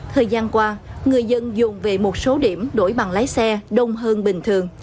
thời gian qua người dân dùng về một số điểm đổi bằng lái xe đông hơn bình thường